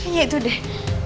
kayaknya itu deh